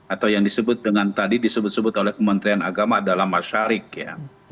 atau yang disebut dengan tadi disebut sebut oleh kementerian agama adalah masyarik ya